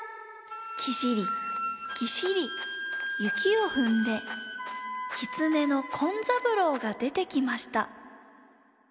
キシリキシリ雪をふんできつねの紺三郎がでてきました。